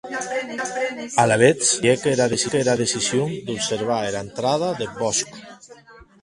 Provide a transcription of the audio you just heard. Alavetz cuelhec era decision d’observar ena entrada deth bòsc.